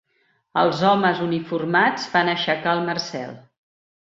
Els homes uniformats fan aixecar el Marcel.